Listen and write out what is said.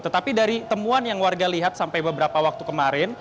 tetapi dari temuan yang warga lihat sampai beberapa waktu kemarin